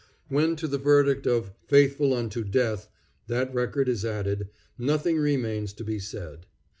When to the verdict of "faithful unto death" that record is added, nothing remains to be said.